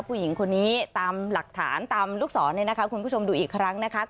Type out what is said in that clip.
ผู้หญิงคนนี้ตามหลักฐานตามลูกศรเนี่ยนะคะคุณผู้ชมดูอีกครั้งนะคะ